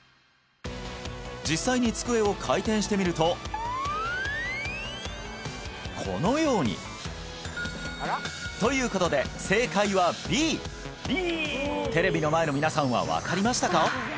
実際に机を回転してみるとこのようにということで正解はＢテレビの前の皆さんは分かりましたか？